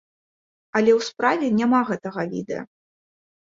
Але ў справе няма гэтага відэа.